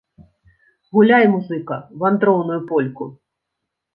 Гуляй, музыка, вандроўную польку!